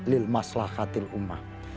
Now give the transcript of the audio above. lilmaslah khatil umma